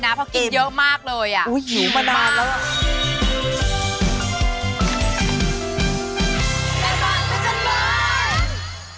ตามแอฟผู้ชมห้องน้ำด้านนอกกันเลยดีกว่าครับ